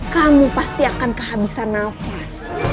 kamu pasti akan kehabisan nafas